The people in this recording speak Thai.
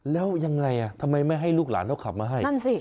แล้วยังไงอ่ะทำไมไม่ให้ลูกหลานเราขับมาให้นั่นสิ